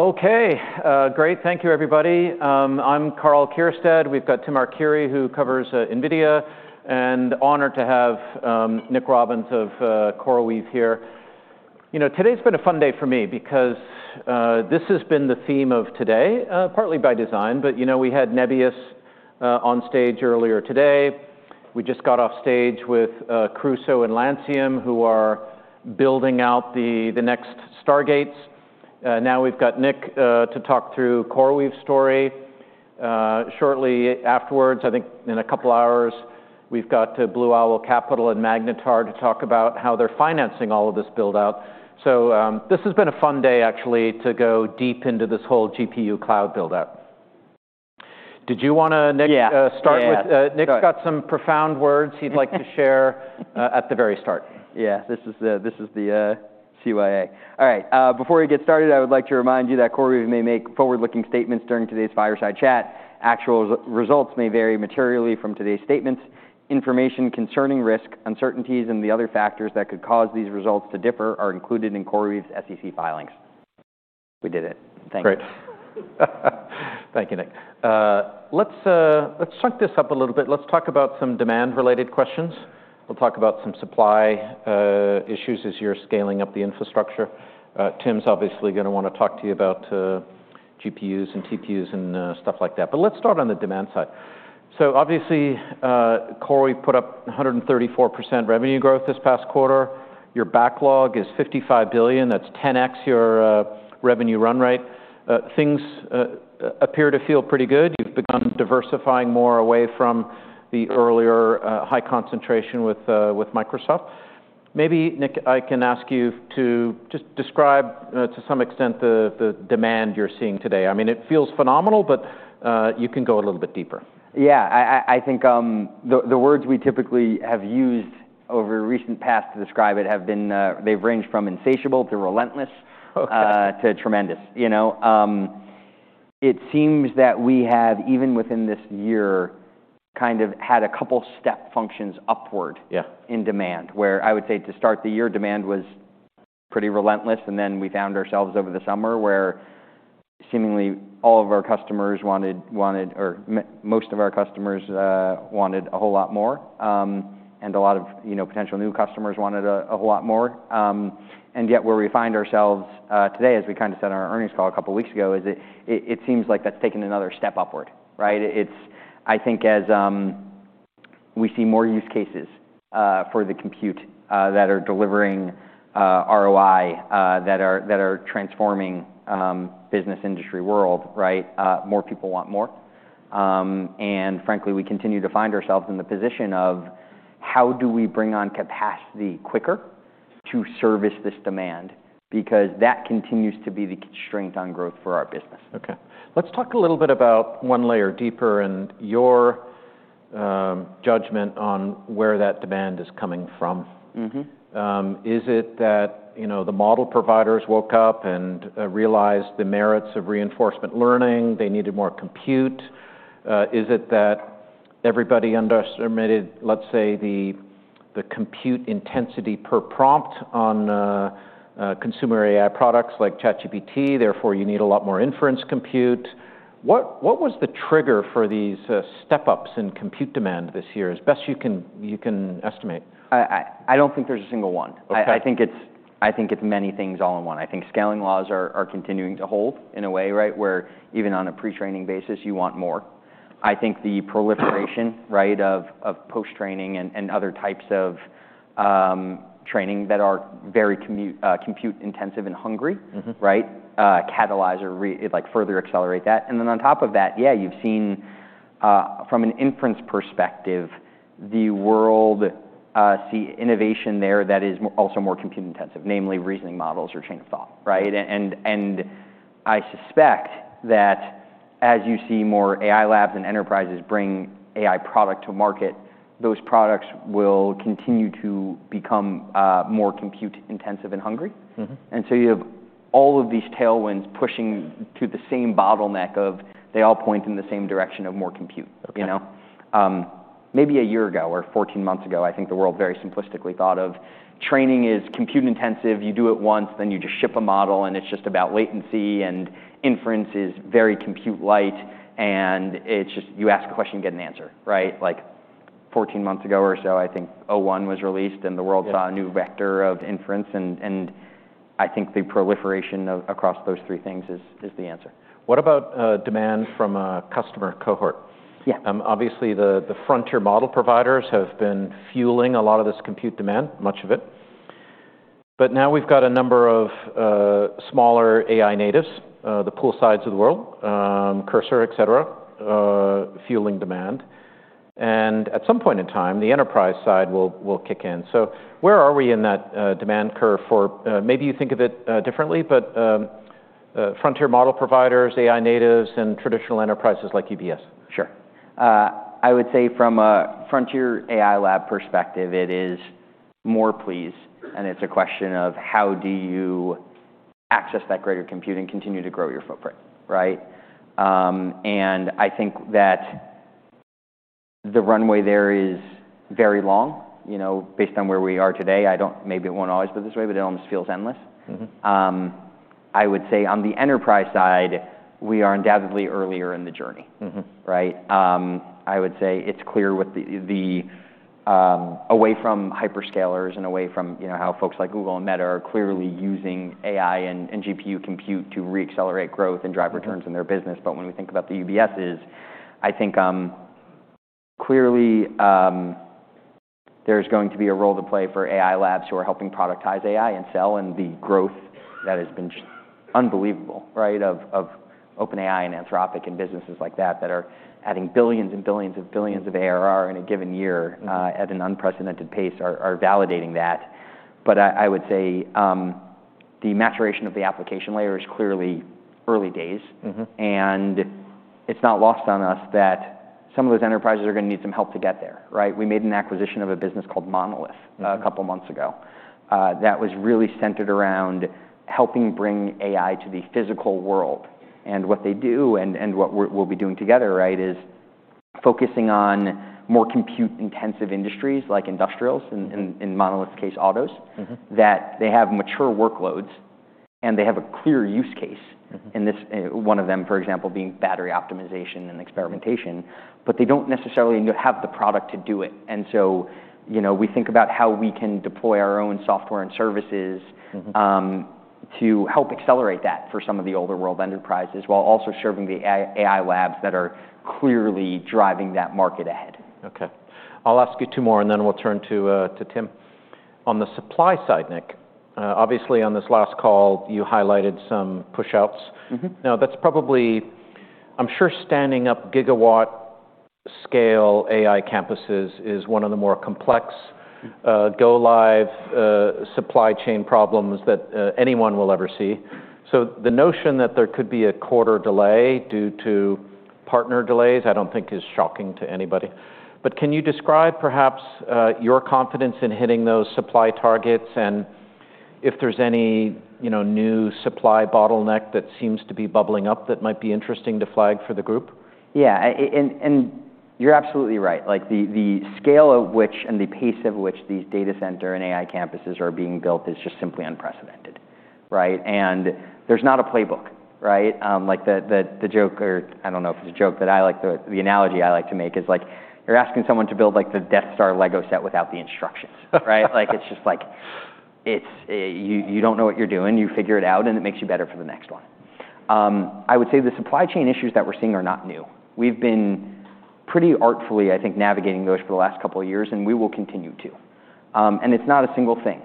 OK, great. Thank you, everybody. I'm Karl Keirstead. We've got Tim Arcuri, who covers NVIDIA, and honored to have Nitin Agrawal of CoreWeave here. You know, today's been a fun day for me because this has been the theme of today, partly by design. But you know, we had Nebius on stage earlier today. We just got off stage with Crusoe and Lancium, who are building out the next Stargates. Now we've got Nitin to talk through CoreWeave's story. Shortly afterwards, I think in a couple of hours, we've got Blue Owl Capital and Magnetar to talk about how they're financing all of this build-out. So this has been a fun day, actually, to go deep into this whole GPU cloud build-out. Did you want to start with Nitin's got some profound words he'd like to share at the very start? Yeah, this is the CYA. All right, before we get started, I would like to remind you that CoreWeave may make forward-looking statements during today's fireside chat. Actual results may vary materially from today's statements. Information concerning risk, uncertainties, and the other factors that could cause these results to differ are included in CoreWeave's SEC filings. We did it. Thanks. Great. Thank you, NitinLet's chunk this up a little bit. Let's talk about some demand-related questions. We'll talk about some supply issues as you're scaling up the infrastructure. Tim's obviously going to want to talk to you about GPUs and TPUs and stuff like that. But let's start on the demand side, so obviously, CoreWeave put up 134% revenue growth this past quarter. Your backlog is $55 billion. That's 10x your revenue run rate. Things appear to feel pretty good. You've begun diversifying more away from the earlier high concentration with Microsoft. Maybe, Nitin, I can ask you to just describe to some extent the demand you're seeing today. I mean, it feels phenomenal, but you can go a little bit deeper. Yeah, I think the words we typically have used over the recent past to describe it have been. They've ranged from insatiable to relentless to tremendous. You know, it seems that we have, even within this year, kind of had a couple step functions upward in demand, where I would say to start the year, demand was pretty relentless. And then we found ourselves over the summer where seemingly all of our customers wanted, or most of our customers wanted a whole lot more, and a lot of potential new customers wanted a whole lot more. And yet where we find ourselves today, as we kind of said on our earnings call a couple of weeks ago, is, it seems like that's taken another step upward. Right? I think as we see more use cases for the compute that are delivering ROI, that are transforming the business industry world, right, more people want more, and frankly, we continue to find ourselves in the position of how do we bring on capacity quicker to service this demand, because that continues to be the constraint on growth for our business. OK. Let's talk a little bit about one layer deeper and your judgment on where that demand is coming from. Is it that the model providers woke up and realized the merits of reinforcement learning? They needed more compute. Is it that everybody underestimated, let's say, the compute intensity per prompt on consumer AI products like ChatGPT? Therefore, you need a lot more inference compute. What was the trigger for these step-ups in compute demand this year, as best you can estimate? I don't think there's a single one. I think it's many things all in one. I think scaling laws are continuing to hold in a way, right, where even on a pretraining basis, you want more. I think the proliferation of post-training and other types of training that are very compute-intensive and hungry catalyzes further accelerate that. And then on top of that, yeah, you've seen from an inference perspective, the world see innovation there that is also more compute-intensive, namely reasoning models or chain of thought. And I suspect that as you see more AI Labs and enterprises bring AI products to market, those products will continue to become more compute-intensive and hungry. And so you have all of these tailwinds pushing to the same bottleneck of they all point in the same direction of more compute. Maybe a year ago or 14 months ago, I think the world very simplistically thought of training as compute-intensive. You do it once, then you just ship a model, and it's just about latency. And inference is very compute-light. And you ask a question, you get an answer. Like 14 months ago or so, I think o1 was released, and the world saw a new vector of inference. And I think the proliferation across those three things is the answer. What about demand from a customer cohort? Yeah. Obviously, the frontier model providers have been fueling a lot of this compute demand, much of it. But now we've got a number of smaller AI natives, the poolside of the world, Cursor, et cetera, fueling demand. And at some point in time, the enterprise side will kick in. So where are we in that demand curve for maybe you think of it differently, but frontier model providers, AI natives, and traditional enterprises like UBS? Sure. I would say from a frontier AI lab perspective, it is more pressing. It's a question of how do you access that greater compute and continue to grow your footprint. I think that the runway there is very long. Based on where we are today, maybe it won't always be this way, but it almost feels endless. I would say on the enterprise side, we are undoubtedly earlier in the journey. I would say it's clear away from hyperscalers and away from how folks like Google and Meta are clearly using AI and GPU compute to re-accelerate growth and drive returns in their business. When we think about the use cases, I think clearly there's going to be a role to play for AI Labs who are helping productize AI and sell. The growth that has been just unbelievable of OpenAI and Anthropic and businesses like that that are adding billions and billions of billions of ARR in a given year at an unprecedented pace is validating that. But I would say the maturation of the application layer is clearly early days. It's not lost on us that some of those enterprises are going to need some help to get there. We made an acquisition of a business called Monolith a couple of months ago that was really centered around helping bring AI to the physical world. What they do and what we'll be doing together is focusing on more compute-intensive industries like industrials and, in Monolith's case, autos, that they have mature workloads and they have a clear use case. One of them, for example, is battery optimization and experimentation. But they don't necessarily have the product to do it. And so we think about how we can deploy our own software and services to help accelerate that for some of the older world enterprises while also serving the AI Labs that are clearly driving that market ahead. OK. I'll ask you two more, and then we'll turn to Tim. On the supply side, Nitin, obviously on this last call, you highlighted some push-outs. Now, that's probably, I'm sure, standing up gigawatt-scale AI campuses is one of the more complex go-live supply chain problems that anyone will ever see. So the notion that there could be a quarter delay due to partner delays, I don't think is shocking to anybody. But can you describe perhaps your confidence in hitting those supply targets and if there's any new supply bottleneck that seems to be bubbling up that might be interesting to flag for the group? Yeah, and you're absolutely right. The scale of which and the pace of which these data center and AI campuses are being built is just simply unprecedented. And there's not a playbook. The joke, or I don't know if it's a joke, but the analogy I like to make is like you're asking someone to build the Death Star LEGO set without the instructions. It's just like you don't know what you're doing. You figure it out, and it makes you better for the next one. I would say the supply chain issues that we're seeing are not new. We've been pretty artfully, I think, navigating those for the last couple of years, and we will continue to. And it's not a single thing.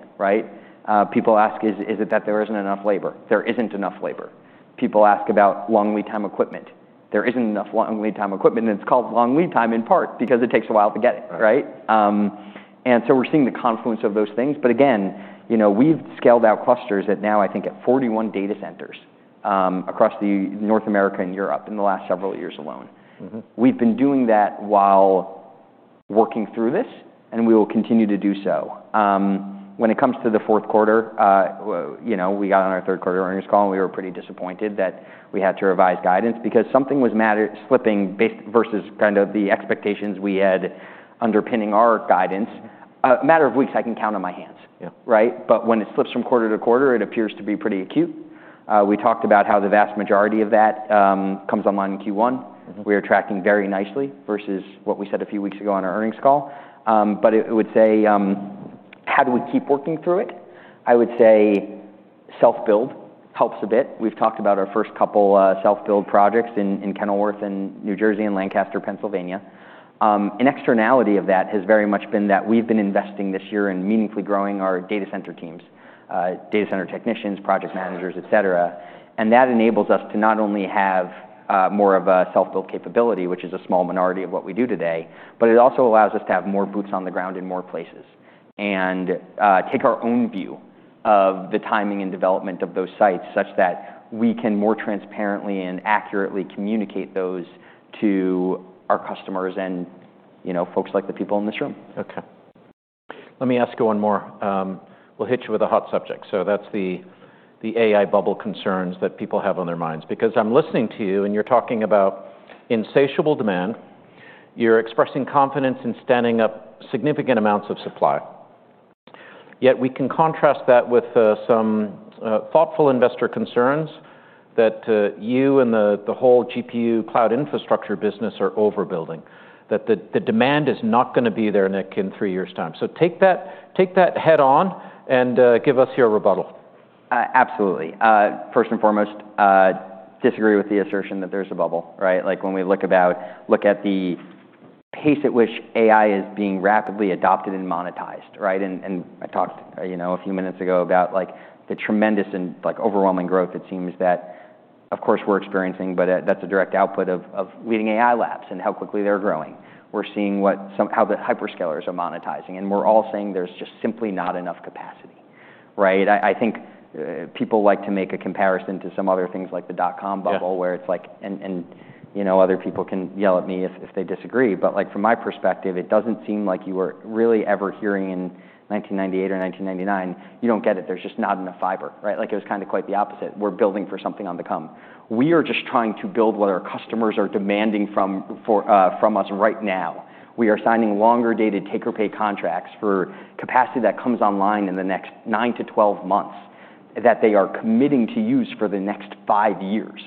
People ask, is it that there isn't enough labor? There isn't enough labor. People ask about long lead time equipment. There isn't enough long lead time equipment, and it's called long lead time in part because it takes a while to get it, and so we're seeing the confluence of those things, but again, we've scaled out clusters at now, I think, at 41 data centers across North America and Europe in the last several years alone, we've been doing that while working through this, and we will continue to do so. When it comes to the fourth quarter, we got on our third quarter earnings call, and we were pretty disappointed that we had to revise guidance because something was slipping versus kind of the expectations we had underpinning our guidance. A matter of weeks, I can count on my hands, but when it slips from quarter-to-quarter, it appears to be pretty acute. We talked about how the vast majority of that comes online in Q1. We are tracking very nicely versus what we said a few weeks ago on our earnings call. But I would say, how do we keep working through it? I would say self-build helps a bit. We've talked about our first couple self-build projects in Kenilworth, New Jersey, and Lancaster, Pennsylvania. An externality of that has very much been that we've been investing this year in meaningfully growing our data center teams, data center technicians, project managers, et cetera, and that enables us to not only have more of a self-build capability, which is a small minority of what we do today, but it also allows us to have more boots on the ground in more places and take our own view of the timing and development of those sites such that we can more transparently and accurately communicate those to our customers and folks like the people in this room. OK. Let me ask you one more. We'll hit you with a hot subject. So that's the AI bubble concerns that people have on their minds. Because I'm listening to you, and you're talking about insatiable demand. You're expressing confidence in standing up significant amounts of supply. Yet we can contrast that with some thoughtful investor concerns that you and the whole GPU cloud infrastructure business are overbuilding, that the demand is not going to be there, Nitin, in three years' time. So take that head on and give us your rebuttal. Absolutely. First and foremost, I disagree with the assertion that there's a bubble. Like when we look at the pace at which AI is being rapidly adopted and monetized, and I talked a few minutes ago about the tremendous and overwhelming growth it seems that, of course, we're experiencing, but that's a direct output of leading AI Labs and how quickly they're growing. We're seeing how the hyperscalers are monetizing, and we're all saying there's just simply not enough capacity. I think people like to make a comparison to some other things like the dot-com bubble, where it's like, and other people can yell at me if they disagree, but from my perspective, it doesn't seem like you were really ever hearing in 1998 or 1999, "you don't get it. There's just not enough fiber." It was kind of quite the opposite. We're building for something on the come. We are just trying to build what our customers are demanding from us right now. We are signing longer-dated take-or-pay contracts for capacity that comes online in the next nine-12 months that they are committing to use for the next five years.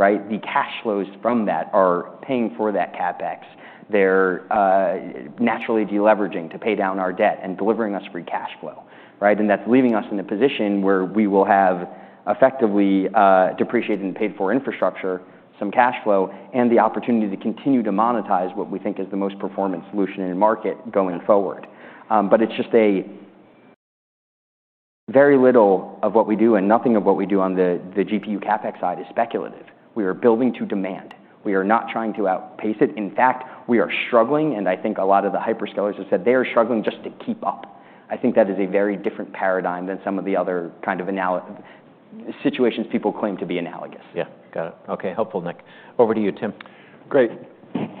The cash flows from that are paying for that CapEx. They're naturally deleveraging to pay down our debt and delivering us free cash flow. And that's leaving us in a position where we will have effectively depreciated and paid for infrastructure, some cash flow, and the opportunity to continue to monetize what we think is the most performant solution in the market going forward. But it's just very little of what we do and nothing of what we do on the GPU CapEx side is speculative. We are building to demand. We are not trying to outpace it. In fact, we are struggling. I think a lot of the hyperscalers have said they are struggling just to keep up. I think that is a very different paradigm than some of the other kind of situations people claim to be analogous. Yeah, got it. OK, helpful, Nitin. Over to you, Tim. Great.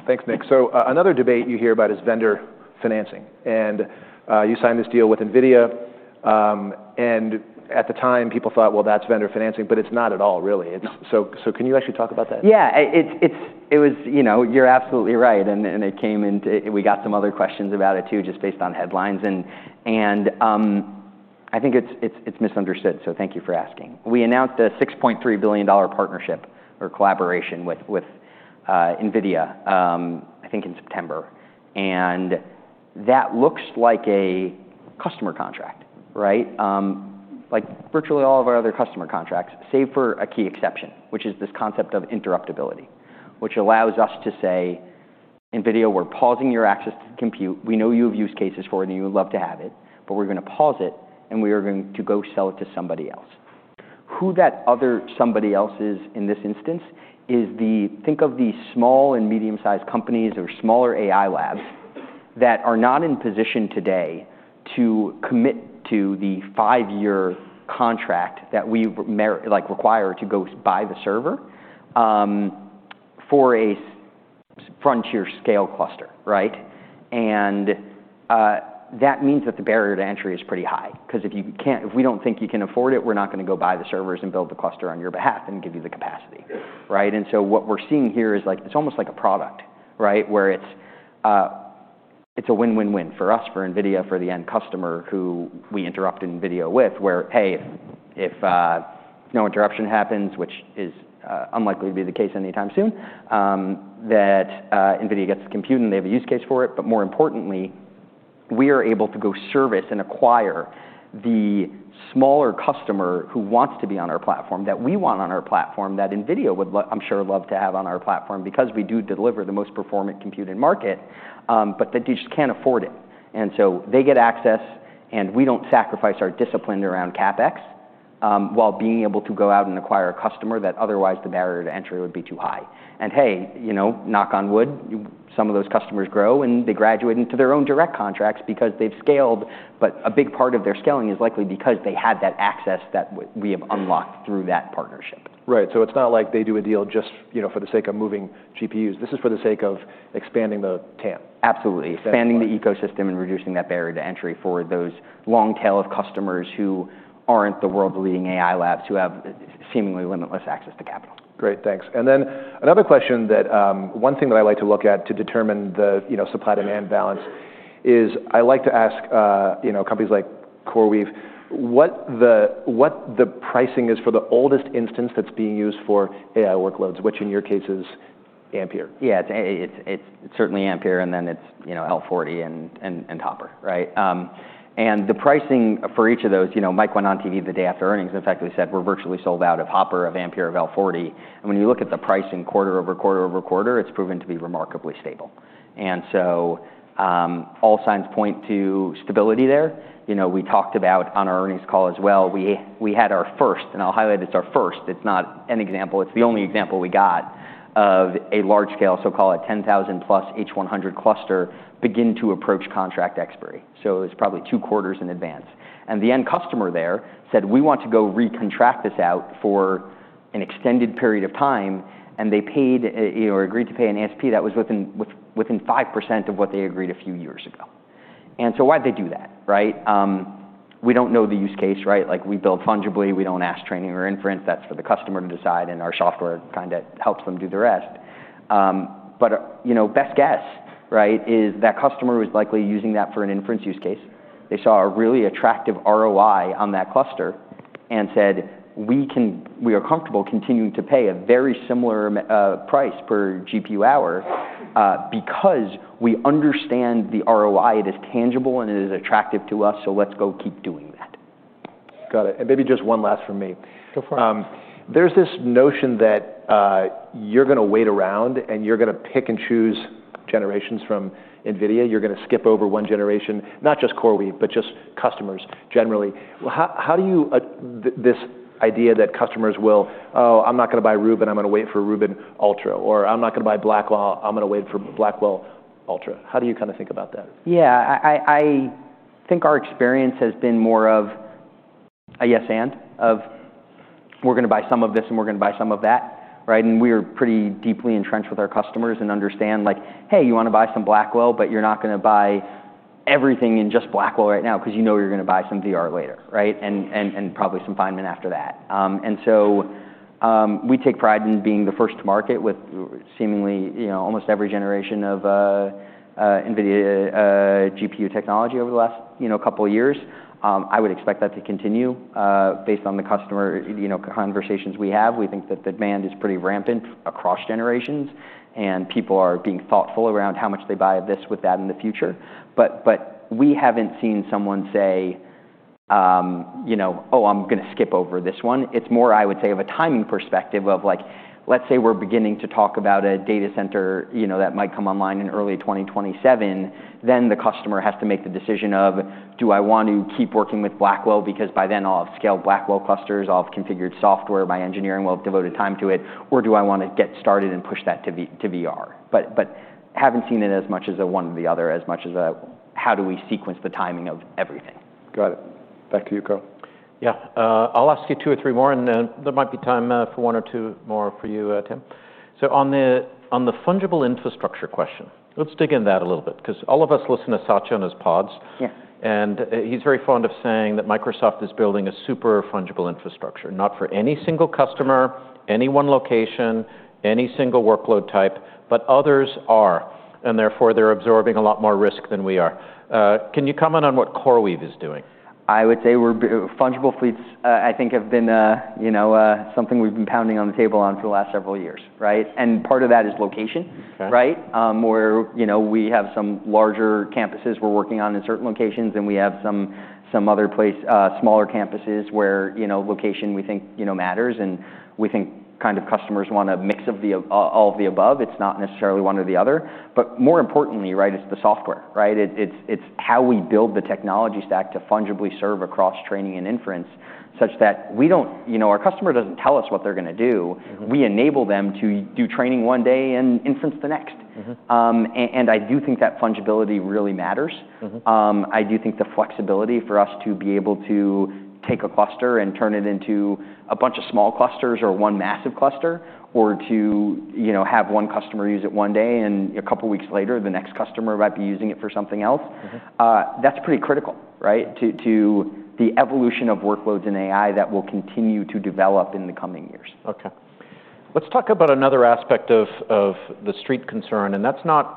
Thanks, Nitin. So another debate you hear about is vendor financing. And you signed this deal with NVIDIA. And at the time, people thought, well, that's vendor financing, but it's not at all, really. So can you actually talk about that? Yeah, you're absolutely right. And we got some other questions about it too, just based on headlines. And I think it's misunderstood, so thank you for asking. We announced a $6.3 billion partnership or collaboration with NVIDIA, I think in September. And that looks like a customer contract, like virtually all of our other customer contracts, save for a key exception, which is this concept of interruptibility, which allows us to say, NVIDIA, we're pausing your access to compute. We know you have use cases for it, and you would love to have it. But we're going to pause it, and we are going to go sell it to somebody else. Who that other somebody else is in this instance is, think of the small and medium-sized companies or smaller AI Labs that are not in position today to commit to the five-year contract that we require to go buy the server for a frontier-scale cluster. And that means that the barrier to entry is pretty high. Because if we don't think you can afford it, we're not going to go buy the servers and build the cluster on your behalf and give you the capacity. And so what we're seeing here is it's almost like a product, where it's a win-win-win for us, for NVIDIA, for the end customer who we interrupt NVIDIA with, where, hey, if no interruption happens, which is unlikely to be the case anytime soon, that NVIDIA gets the compute and they have a use case for it. But more importantly, we are able to go service and acquire the smaller customer who wants to be on our platform, that we want on our platform, that NVIDIA would, I'm sure, love to have on our platform because we do deliver the most performant compute in market, but they just can't afford it, and so they get access, and we don't sacrifice our discipline around CapEx while being able to go out and acquire a customer that otherwise the barrier to entry would be too high, and hey, knock on wood, some of those customers grow, and they graduate into their own direct contracts because they've scaled, but a big part of their scaling is likely because they had that access that we have unlocked through that partnership. Right. So it's not like they do a deal just for the sake of moving GPUs. This is for the sake of expanding the TAN. Absolutely. Expanding the ecosystem and reducing that barrier to entry for those long tail of customers who aren't the world's leading AI Labs who have seemingly limitless access to capital. Great, thanks. And then another question, one thing that I like to look at to determine the supply-demand balance is I like to ask companies like CoreWeave what the pricing is for the oldest instance that's being used for AI workloads, which in your case is Ampere. Yeah, it's certainly Ampere, and then it's L40 and Hopper. And the pricing for each of those, Mike went on TV the day after earnings. In fact, we said we're virtually sold out of Hopper, of Ampere, of L40. And when you look at the pricing quarter-over-quarter-over-quarter, it's proven to be remarkably stable. And so all signs point to stability there. We talked about on our earnings call as well, we had our first, and I'll highlight it's our first. It's not an example. It's the only example we got of a large-scale, so call it 10,000+ H100 cluster begin to approach contract expiry. So it was probably two quarters in advance. And the end customer there said, we want to go recontract this out for an extended period of time. They agreed to pay an ASP that was within 5% of what they agreed a few years ago. So why'd they do that? We don't know the use case. We build fungible. We don't ask training or inference. That's for the customer to decide. Our software kind of helps them do the rest. Best guess is that customer was likely using that for an inference use case. They saw a really attractive ROI on that cluster and said, "We are comfortable continuing to pay a very similar price per GPU hour because we understand the ROI. It is tangible, and it is attractive to us. So let's go keep doing that. Got it. And maybe just one last from me. There's this notion that you're going to wait around, and you're going to pick and choose generations from NVIDIA. You're going to skip over one generation, not just CoreWeave, but just customers generally. How do you view this idea that customers will, oh, I'm not going to buy Rubin. I'm going to wait for Rubin Ultra. Or I'm not going to buy Blackwell. I'm going to wait for Blackwell Ultra. How do you kind of think about that? Yeah, I think our experience has been more of a yes and of we're going to buy some of this, and we're going to buy some of that. And we are pretty deeply entrenched with our customers and understand, hey, you want to buy some Blackwell, but you're not going to buy everything in just Blackwell right now because you know you're going to buy some Rubin later and probably some Feynman after that. And so we take pride in being the first to market with seemingly almost every generation of NVIDIA GPU technology over the last couple of years. I would expect that to continue based on the customer conversations we have. We think that the demand is pretty rampant across generations, and people are being thoughtful around how much they buy of this with that in the future. But we haven't seen someone say, "Oh, I'm going to skip over this one." It's more, I would say, of a timing perspective of, let's say, we're beginning to talk about a data center that might come online in early 2027. Then the customer has to make the decision of, do I want to keep working with Blackwell because by then I'll have scaled Blackwell clusters, I'll have configured software, my engineering will have devoted time to it, or do I want to get started and push that to Rubin? But I haven't seen it as much as one or the other as much as how do we sequence the timing of everything. Got it. Back to you, Karl. Yeah, I'll ask you two or three more, and then there might be time for one or two more for you, Tim. So on the fungible infrastructure question, let's dig into that a little bit because all of us listen to Satya on his pods. And he's very fond of saying that Microsoft is building a super fungible infrastructure, not for any single customer, any one location, any single workload type, but others are. And therefore, they're absorbing a lot more risk than we are. Can you comment on what CoreWeave is doing? I would say fungible fleets, I think, have been something we've been pounding on the table on for the last several years, and part of that is location. We have some larger campuses we're working on in certain locations, and we have some other smaller campuses where location we think matters, and we think kind of customers want a mix of all of the above. It's not necessarily one or the other, but more importantly, it's the software. It's how we build the technology stack to fungibly serve across training and inference such that our customer doesn't tell us what they're going to do. We enable them to do training one day and inference the next, and I do think that fungibility really matters. I do think the flexibility for us to be able to take a cluster and turn it into a bunch of small clusters or one massive cluster, or to have one customer use it one day, and a couple of weeks later, the next customer might be using it for something else, that's pretty critical to the evolution of workloads in AI that will continue to develop in the coming years. OK. Let's talk about another aspect of the street concern, and that's not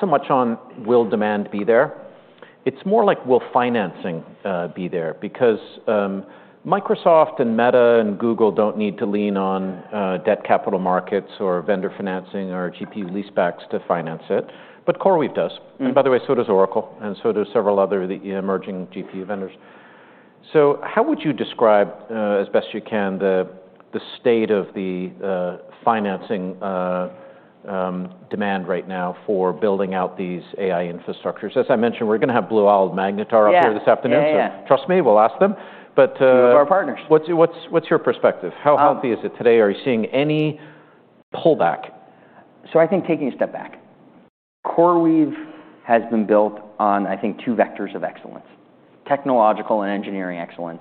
so much on will demand be there. It's more like will financing be there because Microsoft and Meta and Google don't need to lean on debt capital markets or vendor financing or GPU lease backs to finance it, but CoreWeave does. And by the way, so does Oracle, and so do several other emerging GPU vendors, so how would you describe, as best you can, the state of the financing demand right now for building out these AI infrastructures? As I mentioned, we're going to have Blue Owl, Magnetar up here this afternoon, so trust me, we'll ask them. Two of our partners. What's your perspective? How healthy is it today? Are you seeing any pullback? So I think taking a step back, CoreWeave has been built on, I think, two vectors of excellence: technological and engineering excellence,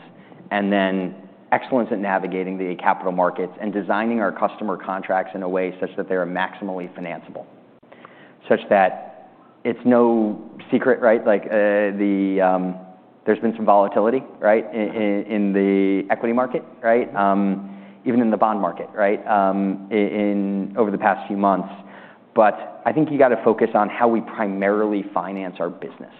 and then excellence in navigating the capital markets and designing our customer contracts in a way such that they are maximally financeable, such that it's no secret there's been some volatility in the equity market, even in the bond market over the past few months. But I think you've got to focus on how we primarily finance our business,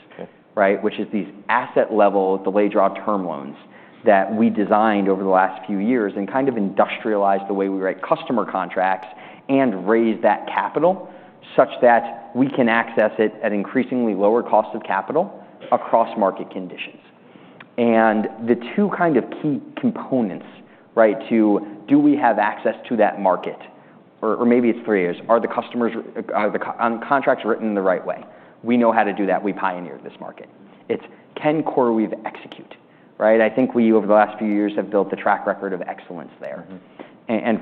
which is these asset-level delayed draw term loans that we designed over the last few years and kind of industrialized the way we write customer contracts and raise that capital such that we can access it at increasingly lower costs of capital across market conditions. The two kind of key components to do we have access to that market, or maybe it's three years, are the contracts written the right way? We know how to do that. We pioneered this market. It's, can CoreWeave execute? I think we, over the last few years, have built the track record of excellence there.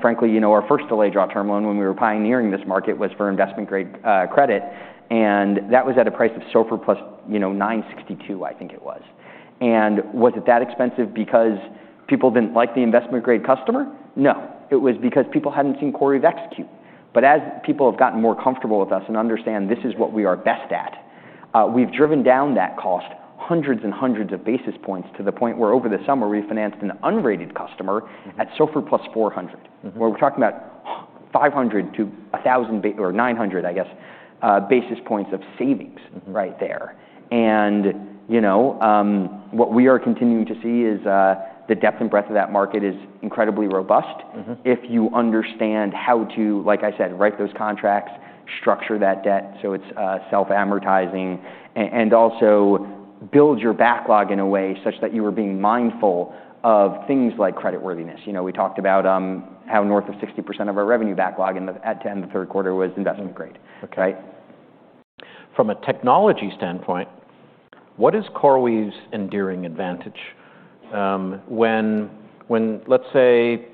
Frankly, our first delayed draw term loan when we were pioneering this market was for investment-grade credit. That was at a price of SOFR plus 962, I think it was. Was it that expensive because people didn't like the investment-grade customer? No. It was because people hadn't seen CoreWeave execute. But as people have gotten more comfortable with us and understand this is what we are best at, we've driven down that cost hundreds and hundreds of basis points to the point where over the summer, we financed an unrated customer at SOFR plus 400, where we're talking about 500-1,000 or 900, I guess, basis points of savings right there. And what we are continuing to see is the depth and breadth of that market is incredibly robust if you understand how to, like I said, write those contracts, structure that debt so it's self-amortizing, and also build your backlog in a way such that you are being mindful of things like creditworthiness. We talked about how north of 60% of our revenue backlog at the end of the third quarter was investment-grade. From a technology standpoint, what is CoreWeave's enduring advantage when, let's say,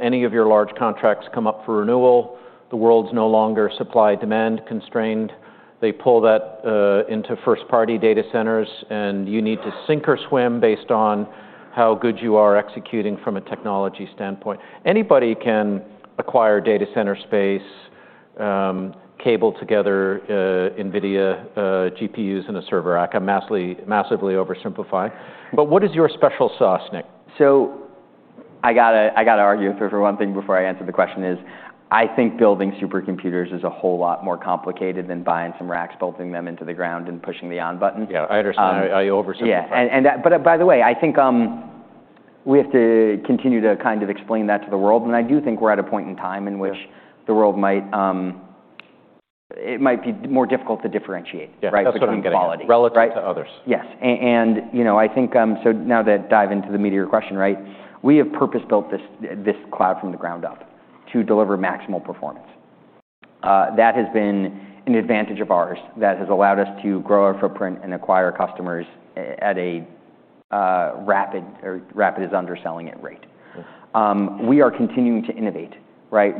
any of your large contracts come up for renewal? The world's no longer supply-demand constrained. They pull that into first-party data centers, and you need to sink or swim based on how good you are executing from a technology standpoint. Anybody can acquire data center space, cable together NVIDIA GPUs in a server rack. I'm massively oversimplifying. But what is your special sauce, Nitin? So I've got to argue for one thing before I answer the question, is I think building supercomputers is a whole lot more complicated than buying some racks, bolting them into the ground, and pushing the on button. Yeah, I understand. I oversimplify. But by the way, I think we have to continue to kind of explain that to the world. And I do think we're at a point in time in which the world might be more difficult to differentiate the quality. That's what I'm getting. Relative to others. Yes. And I think so now to dive into the meat of your question, we have purpose-built this cloud from the ground up to deliver maximal performance. That has been an advantage of ours that has allowed us to grow our footprint and acquire customers at a rapid asset utilization rate. We are continuing to innovate.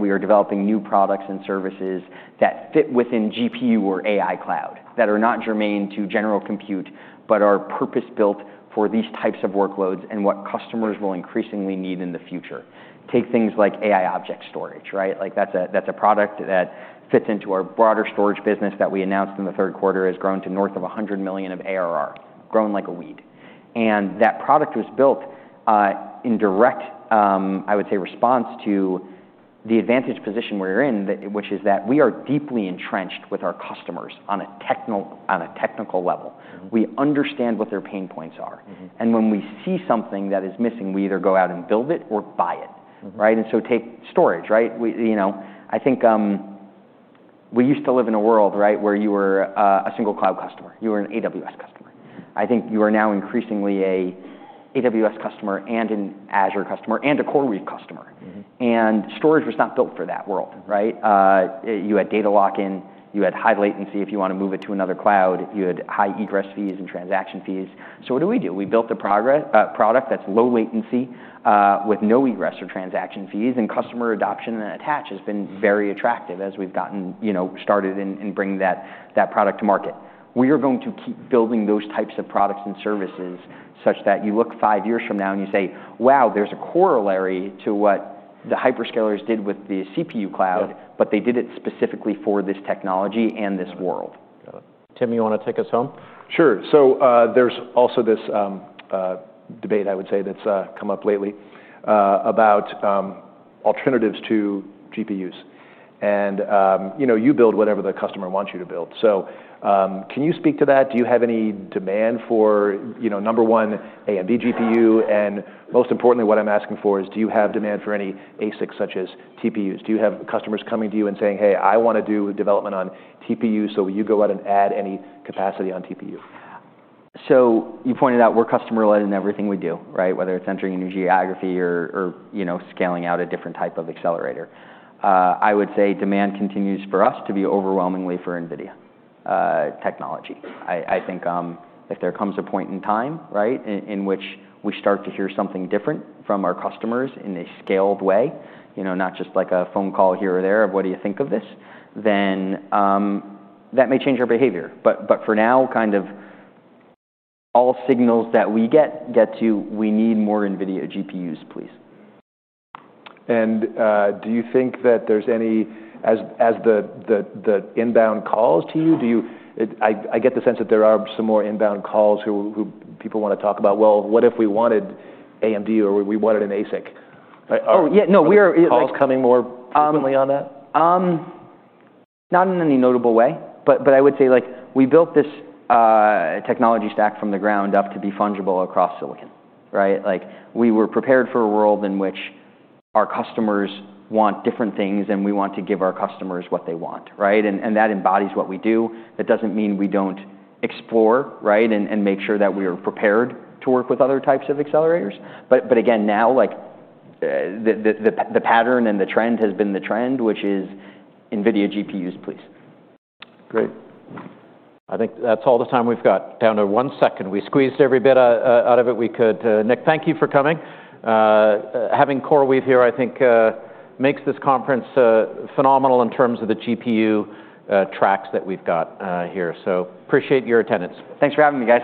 We are developing new products and services that fit within GPU or AI cloud that are not germane to general compute but are purpose-built for these types of workloads and what customers will increasingly need in the future. Take things like AI object storage. That's a product that fits into our broader storage business that we announced in the third quarter has grown to north of 100 million of ARR, grown like a weed. That product was built in direct, I would say, response to the advantage position we're in, which is that we are deeply entrenched with our customers on a technical level. We understand what their pain points are. And when we see something that is missing, we either go out and build it or buy it. And so take storage. I think we used to live in a world where you were a single cloud customer. You were an AWS customer. I think you are now increasingly an AWS customer and an Azure customer and a CoreWeave customer. And storage was not built for that world. You had data lock-in. You had high latency if you want to move it to another cloud. You had high egress fees and transaction fees. So what do we do? We built a product that's low latency with no egress or transaction fees. Customer adoption and attach has been very attractive as we've gotten started in bringing that product to market. We are going to keep building those types of products and services such that you look five years from now and you say, wow, there's a corollary to what the hyperscalers did with the CPU cloud, but they did it specifically for this technology and this world. Got it. Tim, you want to take us home? Sure. So there's also this debate, I would say, that's come up lately about alternatives to GPUs. And you build whatever the customer wants you to build. So can you speak to that? Do you have any demand for, number one, AMD GPU? And most importantly, what I'm asking for is, do you have demand for any ASICs such as TPUs? Do you have customers coming to you and saying, hey, I want to do development on TPU, so you go out and add any capacity on TPU? So you pointed out we're customer-led in everything we do, whether it's entering a new geography or scaling out a different type of accelerator. I would say demand continues for us to be overwhelmingly for NVIDIA technology. I think if there comes a point in time in which we start to hear something different from our customers in a scaled way, not just like a phone call here or there of what do you think of this, then that may change our behavior. But for now, kind of all signals that we get to, we need more NVIDIA GPUs, please. Do you think that there's any, as the inbound calls to you, I get the sense that there are some more inbound calls who people want to talk about, well, what if we wanted AMD or we wanted an ASIC? Oh, yeah. No. Calls coming more frequently on that? Not in any notable way. But I would say we built this technology stack from the ground up to be fungible across silicon. We were prepared for a world in which our customers want different things, and we want to give our customers what they want. And that embodies what we do. That doesn't mean we don't explore and make sure that we are prepared to work with other types of accelerators. But again, now the pattern and the trend has been the trend, which is NVIDIA GPUs, please. Great. I think that's all the time we've got. Down to one second. We squeezed every bit out of it we could. Nitin, thank you for coming. Having CoreWeave here, I think, makes this conference phenomenal in terms of the GPU tracks that we've got here. So appreciate your attendance. Thanks for having me.